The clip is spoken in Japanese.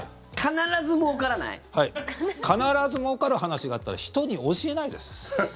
必ずもうかる話があったら人に教えないです！